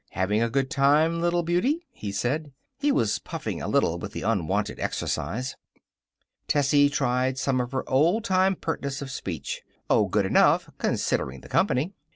"Having a good time, little beauty?" he said. He was puffing a little with the unwonted exercise. Tessie tried some of her old time pertness of speech. "Oh, good enough, considering the company."